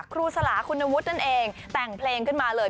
ครูสลาคุณวุฒินั่นเองแต่งเพลงขึ้นมาเลย